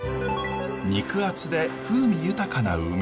肉厚で風味豊かなウメ。